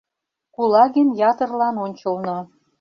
Кулагин ятырлан ончылно.